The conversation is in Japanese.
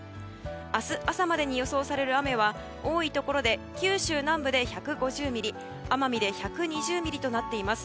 明日朝までに予想される雨は多いところで九州南部で１５０ミリ奄美で１２０ミリとなっています。